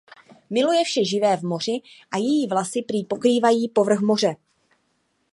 Miluje vše živé v moři a její vlasy prý pokrývají povrch moře.